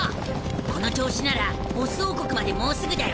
この調子ならボッス王国までもうすぐだよな？